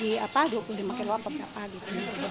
jadi lebih banyak nasi putih